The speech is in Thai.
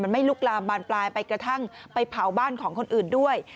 ไม่ลุกลามบานปลายไปกระทั่งไปเผาบ้านของคนอื่นด้วย